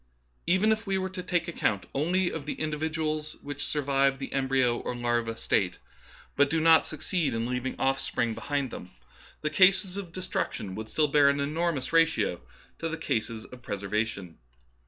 Even if we were to take account only of the individuals which survive the embryo or larva state, but do not succeed in leaving off spring behind them, the cases of destruction would still bear an enormous ratio to the cases of pres ervation.